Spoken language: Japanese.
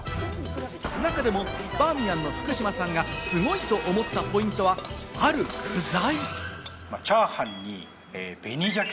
中でもバーミヤンの福島さんがすごいと思ったポイントは、ある具材。